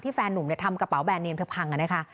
ที่แฟนหนุ่มเนี่ยทำกระเป๋าแบนเนมเธอพังกันนะคะ